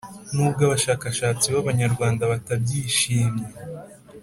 nubwo abashakashatsi b’abanyarwanda batabyishimye